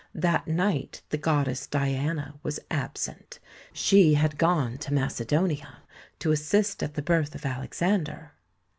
That night the goddess Diana was absent ; she had gone to Mace donia to assist at the birth of Alexander.